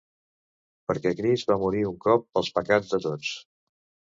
Perquè Crist va morir un cop pels pecats de tots.